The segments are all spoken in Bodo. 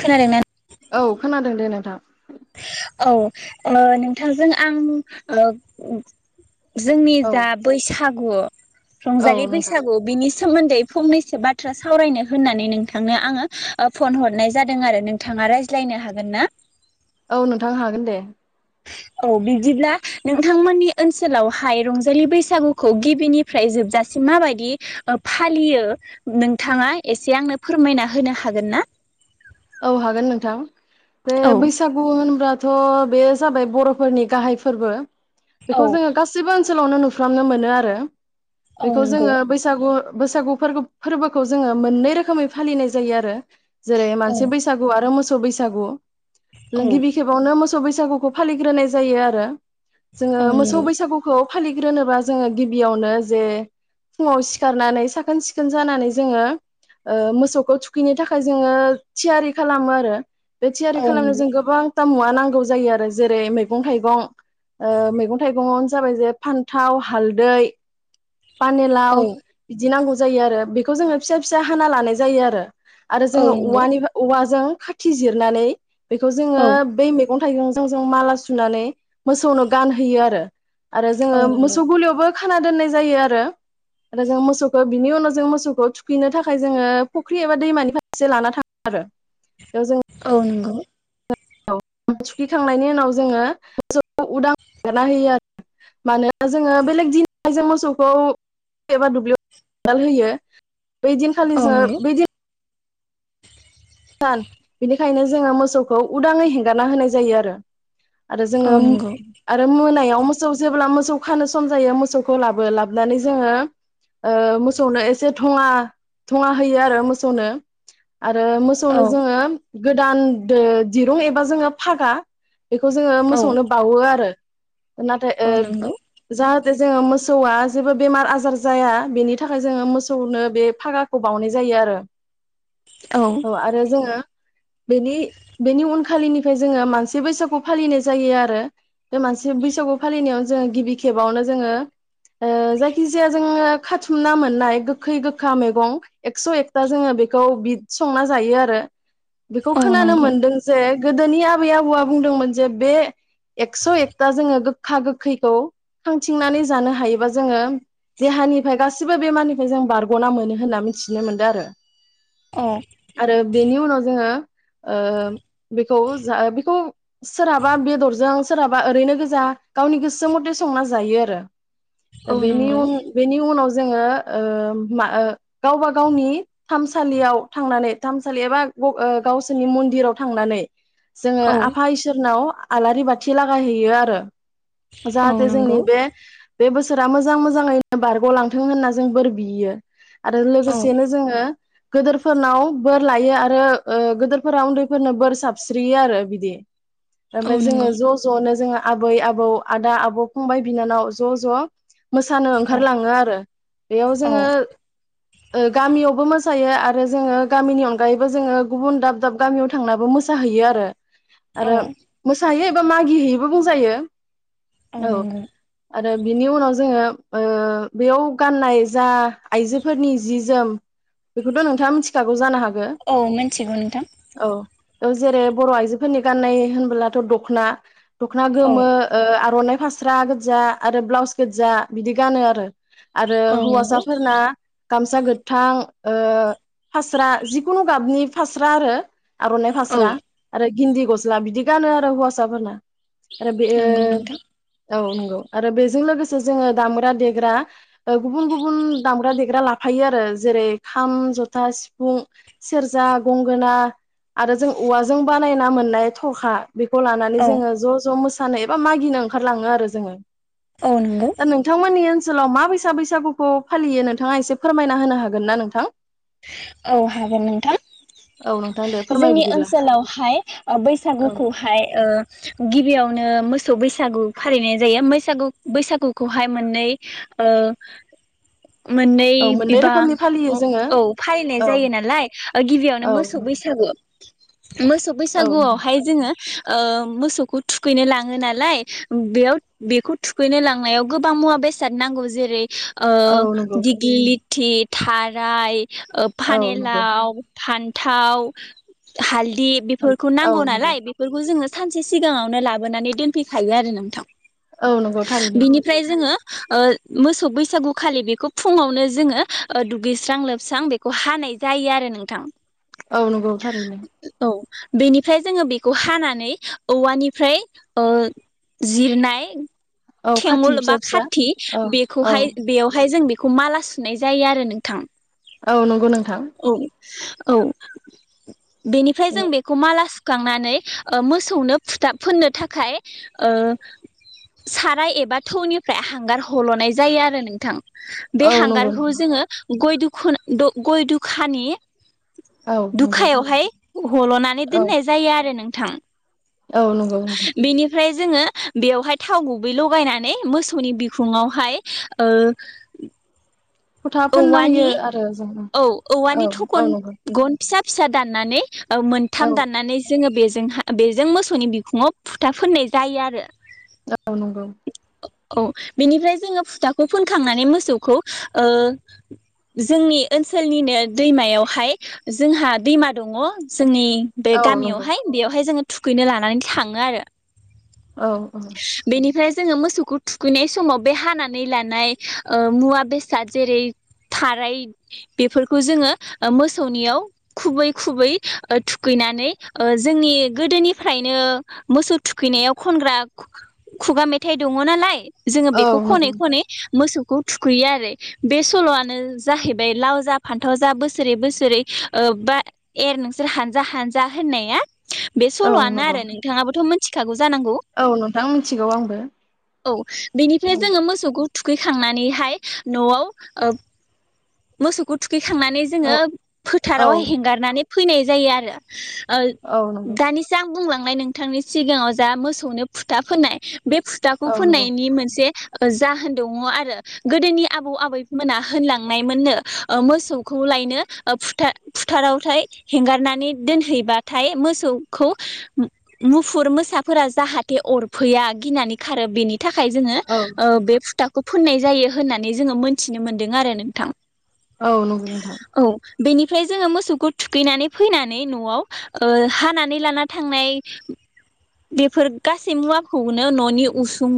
खोनादों ना औ खोनादों दे नोंथां औ ओ नोंथांजों आं ओ जोंनि औ दा बैसागु रंजालि नोंथां बैसागु बिनि सोमोन्दै फंनैसो बाथ्रा सावरायनो होननानै नोंथांनो आंङो ओ फन हरनाय जादों आरो नोंथांङा रायज्लायनो हागोन ना औ नोंथांनो हागोन दे औ बिदिब्ला नोंथांमोननि ओनसोलाव हाय रंजालि बैसागुखौ गिबिनिफ्राय जोबजासिम मा बायदि फालियो नोंथांङा एसे आंनो फोरमायना होनो हागोन ना औ हागोन नोंथां बे औ बैसागु होनबा थ बे जाबाय बर फोरनि गाहाय फोरबो औ बेखौ जोंङो गासिबो ओनसोलावनो नुफ्रामनो मोनो आरो औ बेखौ नंगौ जोंङो बैसागु बैसागु फोरबो फोरबोखौ जोंङो मोननै रोखोमै फालिनाय जायो आरो जेरै- औ मानसि आरो मोसौ बैसागु औ ओ गिबि खेबावनो मोस बैसागुखौ फालिग्रोनाय जायो आरो जोंङो औ मोसौ नंगौ बैसागुखौ फालिग्रोनोबा जोंङो गिबियावनो जे फुंङाव सिखारनानै साखोन सिखोन जानानै जोंङो ओ मोसौखौ थुखैनो थाखाय जोंङो थियारि खालामो आरो बे थियारि औ खालामनो नंगौ जों गोबां मुवा नांगौ जायो आरो जेरै मैगं-थाइगं ओ मैगं-थाइगंआनो जाबाय जे फान्थाव हालदै औ पानिलाव बिदि नांगौ जायो आरो बेखौ जोंङो फिसा फिसा हाना लानाय जायो आरो आरो औ जोंङो नंगौ औवानिफ्राय औवाजों खाथि जिरनानै बेखौ जोंङो औ बै मैगं-थाइगंजों जों माला सुनानै मोसौनो गानहैयो आरो आरो औ जोङो नंगौ मोसौ गलियावबो खाना दोननाय जायो आ -रो आरो जों मोसौखौ बिनि उनाव जो जों मोसौखौ थुखैनो थाखाय जोङो फुख्रि एबा दैमानि फारसे लाना थाङो आरो औ नंगौ औ थुखिखांनायनि उनाव जोङो मोसौखौ उदां हगारना होयो आरो मानोना जोङो बेलेग दिन जों मोसौखौ एबा दुब्लियाव दाल होयो औ बेदिनखालिसो नंगौ बेदिन -थान बिनिखायनो जोङो मोसौखौ उदाङै हेंगारना होनाय जायो आरो आरो औ जोङो नंगौ आरो मोनायाव मोसौ जेब्ला मोसौ खानो सम जायो मोसौखौ लाबो लाबोनानै जोङो ओ मोसौनो एसे थङा थङा होयो आरो मोसौनो आरो औ -थनो जोङो गोदान दो दिरुं एबा जोङो फागा बेखौ जोङो औ मोसौनो बावो आरो नाथाय औ नंगौ ओ जाहाथे जोङो मोसौआ जेबो बेमार आजार जाया बेनि थाखाय जोङो मोसौनो बे फागाखौ बावनाय जायो आरो औ आरो जोङो बेनि बेनि उन खालिनिफ्राय जोङो मानसि बैसागु फालिनाय जायो आरो बे मानसि बैसागु फालिनायाव जोङो गिबि खेबावनो जोङो ओ जायखिजाया जोङो खाथुमना मोननाय गोखै गोखा मैगं एकस' एकथा जोङो बेखौ बिद- संना जायो आरो बेखौ औ खोनानो नंगौ मोनदों जे गोदोनि आबै आबौआ बुंदोंमोन जे बे एकस एकता जोंङो गो -खा गोखैखौ खांथिंनानै जानो हायोबा जोङो देहानिफ्राय गासै -सिबो बेमारनिफाय जों बारगना मोनो होनना मिथिनो मोनदों आरो औ आरो बेनि उनाव जोङो ओ बेखौ जा बेखौ सोरहाबा बेदरजों सोरहाबा ओरैनो गोजा गावनि गोसो मथे संना जायो आरो औ दा बेनि नंगौ उन बेनि उनाव जो जोङो ओ मा ओ गावबा गावनि थानसालियाव थांनानै। थानसालि एबा गावसोरनि मन्दिराव थांनानै। जोङो औ आफा इसोरनाव। आलारि बाथि लागायहैयो आरो। औ जाहाथे जोंनि नंगौ बे। बे बोसोरा मोजां मोजाङैनो बारग लांथों होनना जों बोर बियो। आरो औ लोगोसेनो जोङो। गिदोरफोरनाव। बोर लायो आरो ओ गोदोरफोरा उन्दैफोरनो बोर साबस्रियो आरो बिदि। औ ओमफय जोङो नंगौ ज-ज नो जोंङा आबै-आबौ आदा-आबौ फंबाय-बिनानाव ज-ज मोसानो औ ओंखारलाङो आरो बेयाव औ जोङो। ओ गामियावबो मोसायो आरो जोङो गामिनि अनगायैबो जोङो गुबुन दाब दाब गामियाव थांनाबो मोसाहैयो आरो। आरो औ मोसाहैयो एबा मागि हैयो। बो बुंजायो। ‌ औ आरो बिनि उनाव जोङो। ओ बेयाव गाननाय जा आइजोफोरनि जि जोम बेखौथ नोंथाङा मिथि जागौ जानोहागौ। औ मिथिगौ नोंथां गो औ औ जेरै बर आइजो फोरनि गाननाय होनबोलाथ दखना। दख'ना औ गोमो ओ आर'नाइ फास स्रा गोजा आरो ब्लाउस गोजा बिदि गानो आरो। आरो औ नंगौ हौवासाफोरना गामसा गोथां ओ। फास्रा जिखुनु गाबनि फास्रा आरो। आर'नाइ औ फास्रा आरो। गिन्न्ददि गस्ला बिदि गानो आरो हौवासाफोरना। आरो बे नंगौ ओ नोंथां औ नंगौ आरो बे। जों लोगोसे जोङो दामग्रा देग्रा ओ गुबुन- गुबुन दांमग्रा देग्रारा ला थायो आरो जेरै खाम जथ था सिफुं सेरजा गंगोना आरो जों औवाजों बानायना मोननाय थखा बेखौ लानानै औ जोङो ज' ज' मोस मोसानो एबा मागिनो ओंखारलाङो आरो जोङो। औ नंगौ दा नोंथांमोननि। ओनसोलाव मा बैसा बैसागुखौ फालियो नोंथाङा एसे फोरमायना होनो हागोन ना नोंथां? औ हागोन नोंथां। औ नोंथां दे फोरमाय जोंनि बिदिब्ला ओनसोलावहाय ओ औ बैसागुखौहाय ओ गिबियावनो मोस मोसौ बैसागु फालिनाय जायो मैसागु बैसागु बैसागुखौहाय मोननै ओ मोननै औ मोननै बिबा रोखोमनि फालियो जोङो औ फालिनाय औ जायो नालाय गिबियावनो औ मोसौ बैसो [unintelligible] मोसौ औ बैसागुआवहाय जोङो। ओ मोसौखौ थुखैनो लाङो नालाय बेयाव बेखौ थुखैनो लांनायाव गोबां मुवा बेसाद नांगौ जेरै ओ औ नंगौ दिगलिलिट थि थाराय ओ औ नंगौ फानेलाव फान्थाव हाल दि बेफोरखौ औ नांगौ नंगौ नालाय बेफोरखौ जोङो सानसे सिगाङावनो लाबोनानै दोनफैखायो आरो नोंथां। औ नंगौ थारैनो। बिनिफ्राय जोङो ओ मोसौ बैसागुखालि बेखौ फुङावनो जोङो ओ दुगैस्रां लोबस्रां बेखौ हानाय जायो आरो नोंथां। औ नंगौ थारैनो। औ बेनिफ्राय जोङो बेखौ हानानै औवानिफ्राय ओ जिरनाय औ खाथि थेंगल फिसा बा फिसा खाथि औ औ बेखौहाय बेयावहाय जों बे खौ माला सुनाय जायो आरो नोंथां। औ नंगौ नों औ औ बेनिफ्राय जों बेखौ माला स सुखांनानै ओ मोसौनो फुथाब फोननो थाखाय ओ साराय एबा थौनिफ्राय हांगार हल'नाय जायो आरो नोंथां। बे औ नंगौ हांगारखौ जोङो। गय दुखुना द-गय-दुख खानि औ नंगौ दुखायावहाय हल'नानै औ दोननाय जायो आरो नों थां औ नंगौ नोंथां। जोङो बेयावहाय थाव गुबै लगायनानै मोसौनि बिखुङावहाय ओ फ'था फोनना होयो औवानि आरो जोङो औ औ औवानि औ थखन नंगौ। गन फिसा फिसा दाननानै औ औ मोनथाम दाननानै जोङो बेजों बेजों मोसौनि बिखुंआव फुथा फोननाय जायो आरो औ नंगौ औ बेनिफ्राय जोङो फुथाखौ फोनखांनानै मोसौखौ जोंनि ओनसोलनिनो दैमायावहाय जोंहा दैमा दङ जोंनि बे औ नंगौ गामियावहाय बेयावहाय जोङो थुखैनो लानानै थाङो आरो औ औ बेनिफ्राय जोङो मोसौखौ थुखैनाय समाव बे हानानै लानाय मुवा बेसाद जेरै थाराय बेफोरखौ जोङो मोसौनियाव खुबै खुबै थुखैनानै जोंनि गोदोनिफ्रायनो मोसौ थुखैनायाव खनग्रा खुगा मेथाइ दङ नालाय जोङो औ बेखौ खनै नंगौ खनै मोसौ थुखैयो आरो बे सलआनो जाहैबाय लाव जा फान्थाव जा बोसोरै बोसोरै बा एर नोंसोर हानजा हानजा होननाया बे औ सलआनो नंगौ आरो नोंथाङाबोथ मोन [inaudible] [unintelligible] जानांगौ औ नोंथां मिथिगौ आंबो थुखैखांनानैहाय न'आव ओं मोसौखौ थुखै खांनानै जोङो औ औ फोथारावहाय हेंगारनानै फैनाय जायो आरो औ नंगौ दानिसो आं बुंलांनाय नोंथांनि सिगाङाव जा मोसौनो फुथा फोनाय बे फोथाखौ औ नंगौ फोननायनि मोनसे जाहोन दङ आरो गोदोनि आबौ आबैमोना होनलांनाय नायमोन नो मोसौखौ लायनो फोथारावहाय हेंगारनानै दोनहैबाथाय मोसौखौ मुफुर मोसाफोरा जाहाथे अरफैया गिनानै खारो बेनि थाखाय जोङो औ बे फुथाखौ फोननाय जायो होननानै जोङो मोनथिनो मोन्दों आरो नोंथां औ नंगौ नोंथां औ बेनिफ्राय जोङो मोसौखौ थुखैनानै फैनानै नआव हानानै लाना थांनाय बेफोर गासै मुवाखौनो ननि उसुं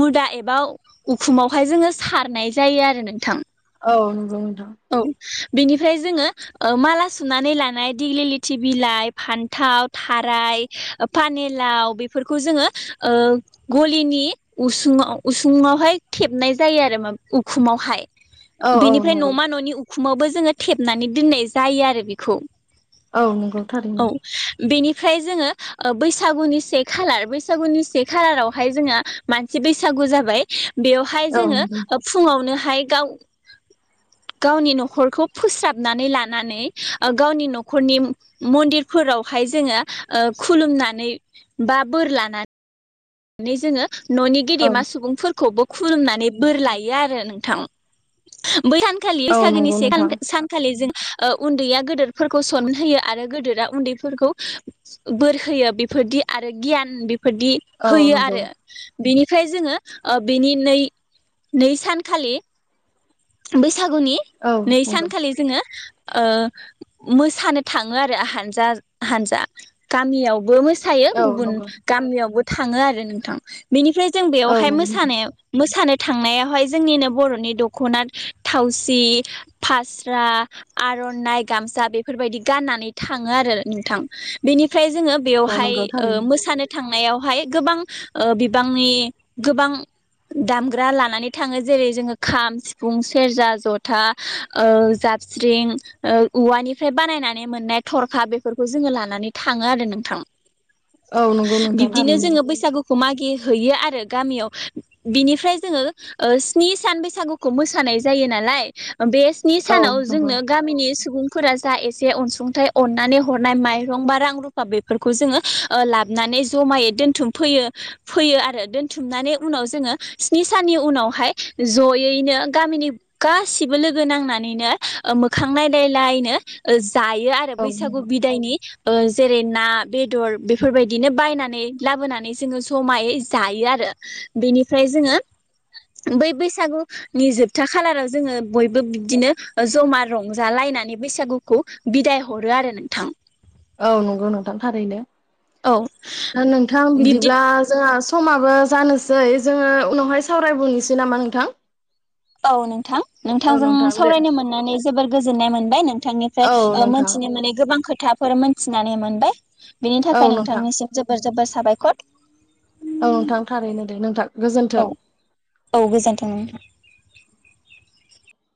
मुदा एबा उखुमावहाय जोङो सारनाय जायो आरो नोंथां औ नंगौ [inaudible] औ बेनिफ्राय जोङो माला सुनानै लानाय दिग्लिलथि बिलाइ फान्थाव थाराय पानिलाव बेफोरखौ जोङो गलिनि उसुङाव उसुङावहाय थेबनाय जायो आरो उखुमावहाय औ औ बेनिफ्राय नंगौ न'मा न'नि उखुमावबो जोङो थेबनानै दोननाय जायो आरो बेखौ औ नंगौ थारैनो औ बेनिफ्राय जोंङो ओ बैसागुनि से खालार बैसागुनि से खालारावहाय जोंहा मानसि बैसागु जाबाय। बेवहाय औ जोंङो नंगौ ओ फुङावनो हाइगाव गावनि न'खरखौ फोसाबनानै लानानै ओ गावनि न'खरनि मन्दिरफोरावहाय जोंङो ओ खुलुमनानै बा बोर लानानै नै जोंङो न'नि औ गेदेमा सुबुंफोरखौबो खुलुमनानै बोर लायो आरो नोंथां बै सानखालि औ बैसागोनि नंगौ से सान नोंथां सानखालि जों ओ उन्दैया गोदोरफोरखौ सनम होयो आरो गोदोरा उन्दैफोरखौ बोर होयो बेफोरदि आरो गियान बेफोरदि औ होयो नंगौ आरो बेनिफ्राय जोंङो ओ बेनि नै नै सानखालि बै सागुनि औ नै नंगौ सानखालि जोंङो ओ मोसानो थाङो आरो हानजा हानजा गामियावबो मोस सायो औ गुबुन नंगौ गामियावबो थाङो आरो नोंथां बेनिफ्राय जों औ बेयावहाय नंगौ नोंथां मोसानायाव मोसानो थांनायावहाय जोंनिनो बर'नि दख'ना थावसि फास्रा आर'नाइ गामसा बेफोरबायदि गाननानै थाङो आरो नोंथां बेनिफ्राय जोंङो औ बेयावहाय नंगौ ओ थारैनो मोसानो था थांनायाव हाय गोबांओ बिबांनि गोबां दामग्रा लानानै थाङो जेरै जोंङो खाम, सिफुं, सेरजा, जथा, ओ जाबस्रिं ओ औवानिफ्राय बानायनानै मोननाय थरखा बेफोरखौ जोंङो लानानै थाङो आरो नोंथां। औ नंगौ नोंथां। बिदिनो थारैनो जोंङो बैसागु खौ मागि हैैयो आरो गामियाव बिनिफ्राय जोंङो ओ स्नि सान बैसागुखौ मोसानाय जायो नालाय बे स्नि औ सानाव नंगौ जोंनो गामिनि सुबुंफोरा जा एसे अनसुंथाइ अननानै हरनाय माइरं बा रां रुफा बेफोरखौ जोंङो ओ लाबनानै जमायै दोनथुमफैयो फैयो आरो दोनथुमनानै उनाव जोंङो स्नि साननि उनावहाय जयैनो गामिनि गासिबो लोगो नांनानैनो ओ मोखां नायलायलायनो ओ जायो आरो औ बैसागु नंगौ बिदायनि ओ जेरै ना बेदर बेफोरबायदिनो बायनानै नानै लाबोनानै जोंङो जमायै जायो आरो बेनिफ्राय जोंङो बै बैसागुनि जोबथा खालाराव जोंङो बयबो बिदिनो ज'मा रंजालायनानै बैसागुखौ बिदाय हरो आरो नोंथां। औ नंगौ नोंथां थारैनो। औ नोंथां बिब्दि बिदिब्ला जोंहा समाबो जानोसै जोंङो उनावहाय सावरायबावनोसै नामा नोंथां। औ नोंथां औ नोंथांजों नोंथां दे सावरायनो मोननानै जोबोर गोजोननाय मोनबाय नों बिथांनिफ्राय औ ओ नोंथां मोनथिनो मानै गोबां खो खोथाफोर मोनथिनानै मोनबाय। बेनि औ थाखाय नोंथां नोंथांनिसिम जोबोद जोबोद साबायखर। औ नोंथां थारैनो दे नोंथां। औ गोजोन्थों औ गोजोन्थों।